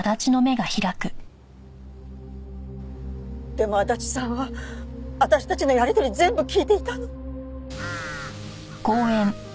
でも足立さんは私たちのやり取り全部聞いていたの。